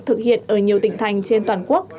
thực hiện ở nhiều tỉnh thành trên toàn quốc